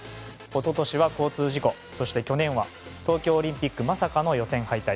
一昨年は交通事故そして去年は東京オリンピックまさかの予選敗退。